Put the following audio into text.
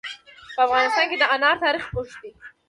په افغانستان کې د انار تاریخ اوږد دی.